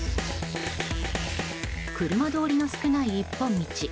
車通りの少ない一本道。